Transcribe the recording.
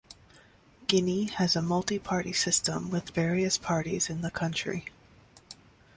Guinea has a multi-party system with various parties in the country.